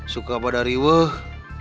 suka pada riweh